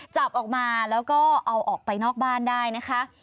จับออกมาแล้วก็เอาออกไปนอกบ้านได้นะคะ